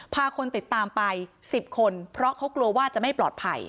พาคนติดตามไป๑๐คนเพราะเขากลัวว่าจะไม่ปลอดภัย